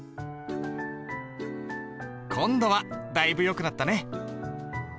今度はだいぶよくなったね。